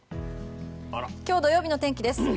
今日土曜日の天気です。